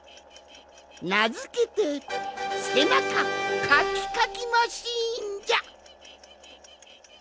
なづけて「せなかカキカキマシーン」じゃ！